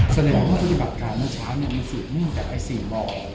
สัญลักษณ์ของพฤติบัตรการเมื่อช้านมีสิ่งนี้แบบไอ้๔บอร์